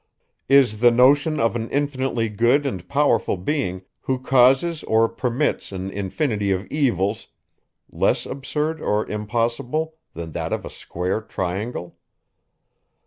Is the notion of an infinitely good and powerful being, who causes or permits an infinity of evils, less absurd or impossible, than that of a square triangle?